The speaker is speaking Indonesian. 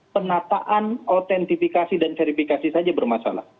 penataan autentifikasi dan verifikasi saja bermasalah